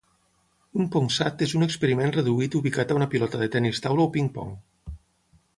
Un PongSat és un experiment reduït ubicat a una pilota de tennis taula o ping-pong.